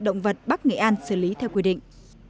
động vật bắc nghệ an xử lý theo quy định